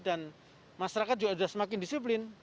dan masyarakat juga sudah semakin disiplin